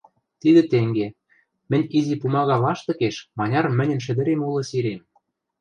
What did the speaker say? — Тидӹ тенге: мӹнь изи пумага лаштыкеш маняр мӹньӹн шӹдӹрем улы сирем